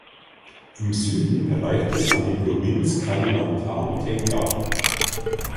Im Süden reicht es an die Provinz Kalimantan Tengah.